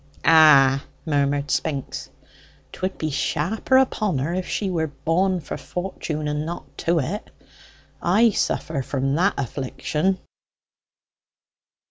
"Ah," murmured Spinks, "'twould be sharper upon her if she were born for fortune, and not to it! I suffer from that affliction."